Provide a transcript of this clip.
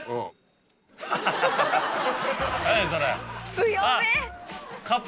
強め！